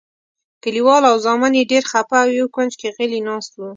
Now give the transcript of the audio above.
کلیوال او زامن یې ډېر خپه او یو کونج کې غلي ناست وو.